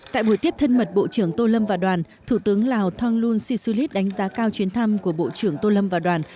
tại buổi tiếp thân mật bộ trưởng tô lâm và đoàn thủ tướng lào thonglun sisulit đánh giá cao chuyến thăm của bộ trưởng tô lâm và đoàn